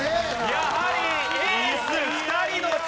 やはりエース２人の力！